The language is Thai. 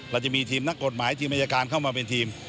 จะมีทีมนักกฎหมายทีมอายการเข้ามาเป็นทีม